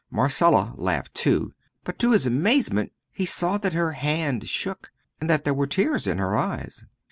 Marcella laughed too; but to his amazement he saw that her hand shook, and that there were tears in her eyes.